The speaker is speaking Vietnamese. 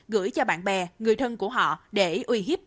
gửi cho bạn bè người thân của họ để uy hiếp